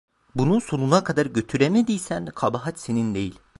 Bunu sonuna kadar götüremediysen, kabahat senin değil.